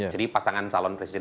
jadi pasangan calon presiden